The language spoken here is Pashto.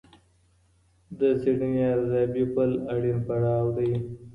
د څېړني ارزیابي بل اړین پړاو دی.